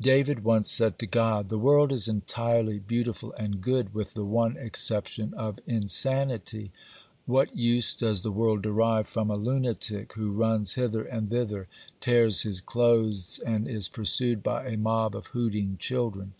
David once said to God: "The world is entirely beautiful and good, with the one exception of insanity. What use does the world derive from a lunatic, who runs hither and thither, tears his clothes, and is pursued by a mob of hooting children?"